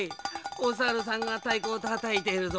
おさるさんがたいこをたたいてるぞ！